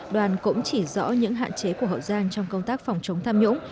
đoàn cũng chỉ rõ những hạn chế của hậu giang trong công tác phòng chống tham nhũng